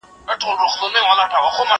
ځواب د زده کوونکي له خوا ليکل کيږي!؟